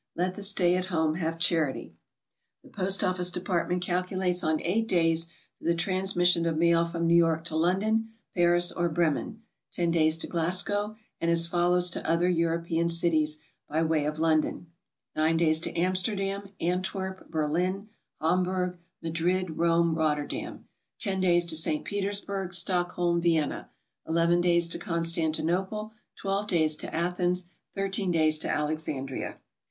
Let the stay at home have charity. The Postoffice Department calculates on 8 days for the transmission of mail from New York to London, Paris or Bremen; lo days to Glasgow; and as follows to other Eu ropean cities by way of London: 9 days to Amsterdam, Ant werp, Berlin, Hamburg, Madrid, Rome, Rotterdam; 10 days SOMEWHAT FINANCIAL. 2II to St. Petersburg, Stockholm, Vienna; ii days to Constanti nople; 12 days to Athens; 13 days to Alexandria.